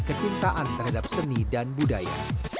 kecintaan terhadap seni dan budaya